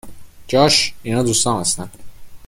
جاش ، اینا دوستام هستن